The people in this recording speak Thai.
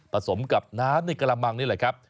สมกับน้ำในกระมังนี่แหละครับ